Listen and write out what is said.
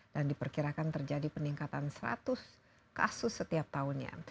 dan diperkirakan terjadi peningkatan seratus kasus setiap tahunnya